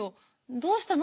どうしたの？